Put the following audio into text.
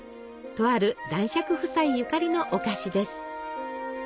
とある男爵夫妻ゆかりのお菓子です。